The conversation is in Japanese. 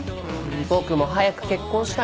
僕も早く結婚したいな。